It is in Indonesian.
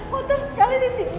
motor sekali di sini